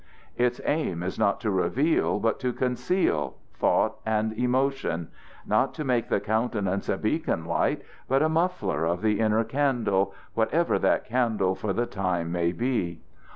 Its aim is not to reveal, but to conceal, thought and emotion; not to make the countenance a beacon light, but a muffler of the inner candle, whatever that candle for the time may be.